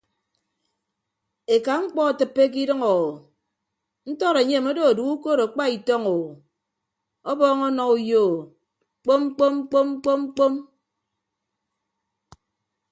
Eka mkpọ atịppe ke idʌñ o ntọd enyem odo edue ukod akpa itọñ o ọbọọñ ọnọ uyo o kpom kpom kpom kpom kpom.